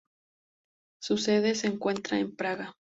Su sede se encuentra en Praga.